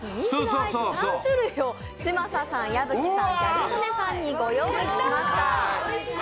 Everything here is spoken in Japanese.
アイス３種類を嶋佐さん、矢吹さん、ギャル曽根さんにご用意しました。